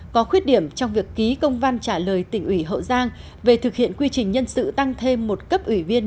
có khuyết điểm trong việc ký công văn trả lời tỉnh ủy hậu giang về thực hiện quy trình nhân sự tăng thêm một cấp ủy viên